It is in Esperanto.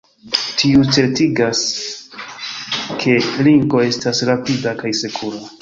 Tiuj certigas, ke Linko estas rapida kaj sekura.